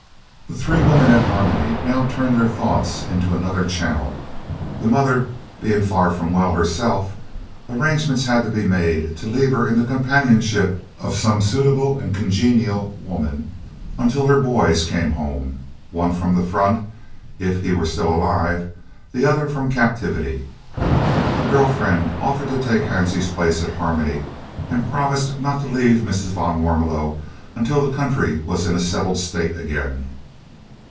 The three women at Harmony now turned their thoughts into another channel. The mother being far from well herself, arrangements had to be made to leave her in the companionship of some suitable and congenial woman, until her "boys" came home one from the front, if he were still alive, the other from captivity. A girl friend offered to take Hansie's place at Harmony and promised not to leave Mrs. van Warmelo until the country was in a settled state again.